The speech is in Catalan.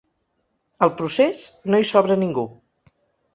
Al procés, no hi sobra ningú.